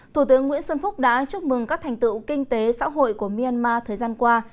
thủ tướng nguyễn xuân phúc đã chúc mừng các thành tựu kinh tế xã hội của myanmar thời gian qua